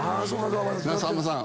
さんまさん